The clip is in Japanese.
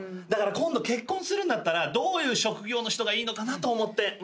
だから今度結婚するんだったらどういう職業の人がいいのかなと思って。